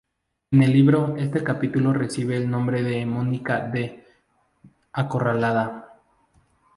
En el libro este capítulo recibe el nombre de Mónica D., Acorralada.